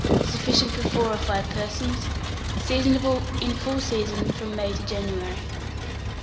Sufficient for 4 or 5 persons. Seasonable. In full season from May to January.